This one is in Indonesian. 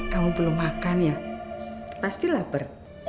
kamu belum makan ya pasti lapar